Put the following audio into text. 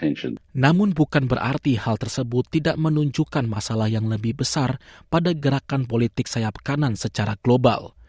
namun bukan berarti hal tersebut tidak menunjukkan masalah yang lebih besar pada gerakan politik sayap kanan secara global